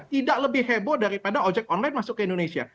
tidak lebih heboh daripada ojek online masuk ke indonesia